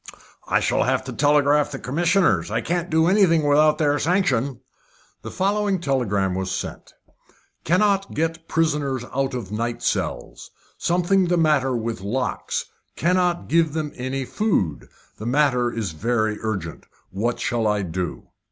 "I shall have to telegraph to the commissioners. I can't do anything without their sanction." The following telegram was sent: "Cannot get prisoners out of night cells. Something the matter with locks. Cannot give them any food. The matter is very urgent. What shall I do?"